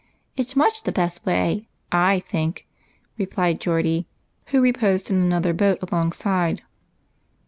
It 's much the best way, I think," replied Geordie, who reposed in another boat alongside.